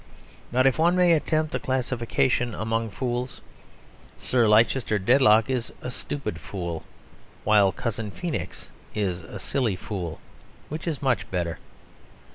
But if one may attempt a classification among fools, Sir Leicester Dedlock is a stupid fool, while Cousin Feenix is a silly fool which is much better.